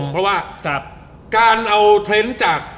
เพราะว่าการเอาเทรนด์จาก